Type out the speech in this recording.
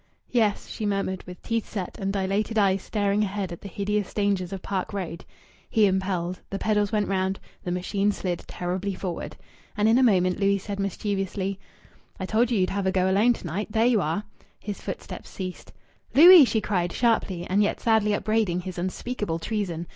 "Yes," she murmured, with teeth set and dilated eyes staring ahead at the hideous dangers of Park Road. He impelled. The pedals went round. The machine slid terribly forward. And in a moment Louis said, mischievously "I told you you'd have to go alone to night. There you are!" His footsteps ceased. "Louis!" she cried, sharply and yet sadly upbraiding his unspeakable treason.